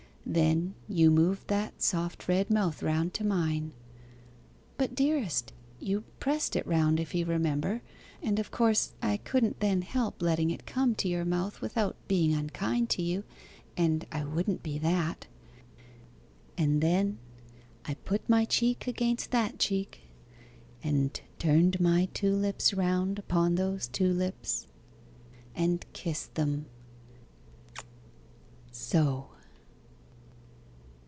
Then you moved that soft red mouth round to mine ' 'But, dearest you pressed it round if you remember; and of course I couldn't then help letting it come to your mouth without being unkind to you, and I wouldn't be that.' 'And then I put my cheek against that cheek, and turned my two lips round upon those two lips, and kissed them so.